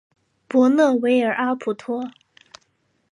博纳维尔阿普托。